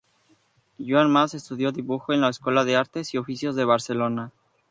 Joan Mas estudió dibujo en la escuela de artes y oficios de Barcelona.